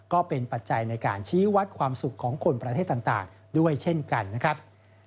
ปัจจัยในการชี้วัดความสุขของคนประเทศต่างด้วยเช่นกันนะครับ